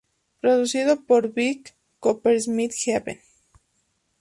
Producido por Vic Coppersmith-Heaven.